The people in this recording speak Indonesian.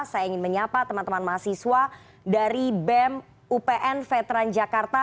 saya ingin menyapa teman teman mahasiswa dari bem upn veteran jakarta